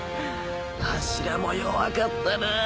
柱も弱かったなぁ。